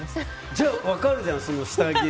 じゃあ、分かるじゃん、下着。